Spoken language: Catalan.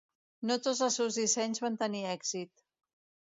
No tots els seus dissenys van tenir èxit.